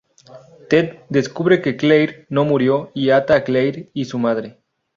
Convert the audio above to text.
Ted descubre que Claire no murió y ata a Claire y su madre.